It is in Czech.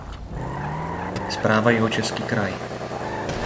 Správa Jihočeský kraj.